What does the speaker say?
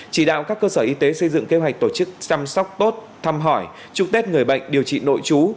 chỉ đạo các cơ sở y tế xây dựng kế hoạch tổ chức chăm sóc tốt thăm hỏi chúc tết người bệnh điều trị nội chú